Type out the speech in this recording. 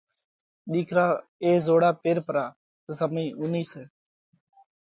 ۮِيڪرا اي زوڙا پير پرا۔ زمئِي اُونئِي سئہ۔